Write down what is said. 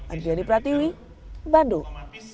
adjani pratiwi bandung